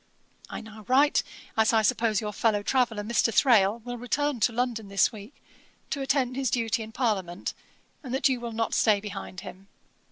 I now write, as I suppose your fellow traveller, Mr. Thrale, will return to London this week, to attend his duty in Parliament, and that you will not stay behind him.